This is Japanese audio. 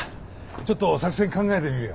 ちょっと作戦考えてみるよ。